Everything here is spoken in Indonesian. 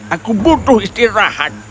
aku butuh istirahat